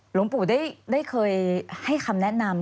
หลวงปู่ได้เคยให้คำแนะนำ